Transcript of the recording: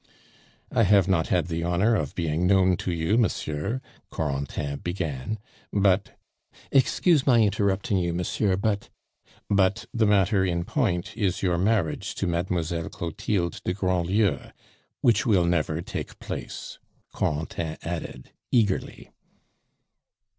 "I have not had the honor of being known to you, monsieur," Corentin began, "but " "Excuse my interrupting you, monsieur, but " "But the matter in point is your marriage to Mademoiselle Clotilde de Grandlieu which will never take place," Corentin added eagerly.